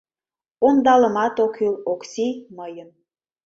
Ондалымат ок кӱл, Окси мыйын...